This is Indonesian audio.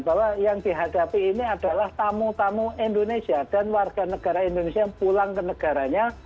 bahwa yang dihadapi ini adalah tamu tamu indonesia dan warga negara indonesia yang pulang ke negaranya